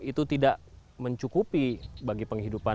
itu tidak mencukupi bagi penghidupan